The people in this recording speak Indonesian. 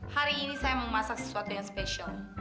hari ini saya mau masak sesuatu yang spesial